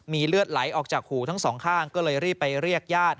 เลือดไหลออกจากหูทั้งสองข้างก็เลยรีบไปเรียกญาติ